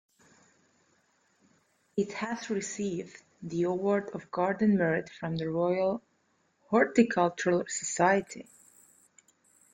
It has received the Award of Garden Merit from the Royal Horticultural Society.